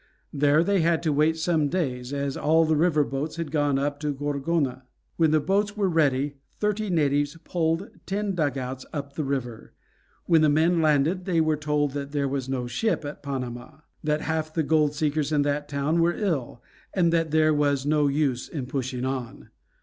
There they had to wait some days, as all the river boats had gone up to Gorgona. When the boats were ready, thirty natives poled ten dugouts up the river. When the men landed they were told that there was no ship at Panama; that half the gold seekers in that town were ill, and that there was no use in pushing on.